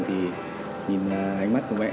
thì nhìn ánh mắt của mẹ